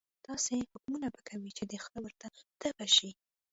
داسې حکمونه به کوي چې د خره ورته تبه شي.